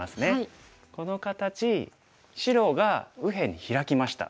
この形白が右辺にヒラきました。